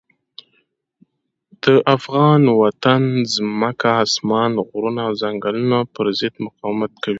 د افغان وطن ځمکه، اسمان، غرونه او ځنګلونه پر ضد مقاومت کوي.